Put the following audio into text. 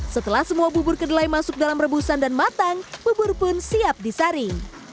setelah semua bubur kedelai masuk dalam rebusan dan matang bubur pun siap disaring